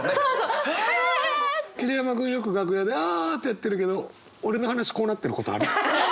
桐山君よく楽屋で「ああ！」ってやってるけど俺の話こうなってることある？